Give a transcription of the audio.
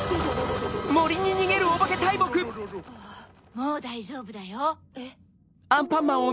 もうだいじょうぶだよ。